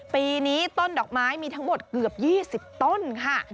ปีนี้ต้นดอกไม้มีทั้งหมดเกือบ๒๐ต้นค่ะ